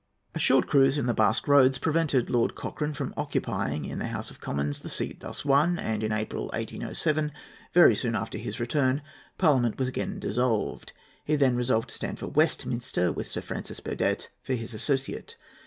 A short cruise in the Basque Roads prevented Lord Cochrane from occupying in the House of Commons the seat thus won, and in April, 1807, very soon after his return, Parliament was again dissolved. He then resolved to stand for Westminster, with Sir Francis Burdett for his associate.